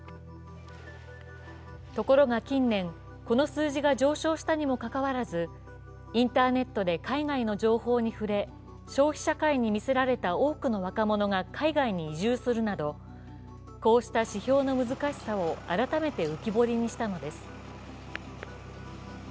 ところが近年、この数字が上昇したにもかかわらずインターネットで海外の情報に触れ消費社会に魅せられた多くの若者が海外に移住するなどこうした指標の難しさを改めて浮き彫りにしたのです。